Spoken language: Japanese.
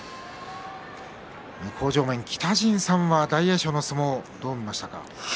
向正面、北陣さんは大栄翔の相撲どう見ましたか？